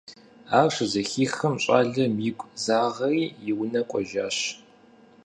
Ар щызэхихым, щӏалэм игу загъэри, и унэ кӀуэжащ.